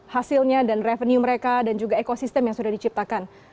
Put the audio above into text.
hasilnya dan revenue mereka dan juga ekosistem yang sudah diciptakan